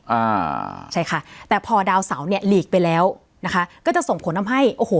อ่าใช่ค่ะแต่พอดาวเสาเนี่ยหลีกไปแล้วนะคะก็จะส่งผลทำให้โอ้โห